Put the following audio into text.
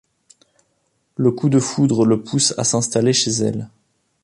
Le coup de foudre le pousse à s'installer chez elle.